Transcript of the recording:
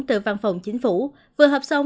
từ văn phòng chính phủ vừa hợp xong